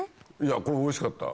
これおいしかった。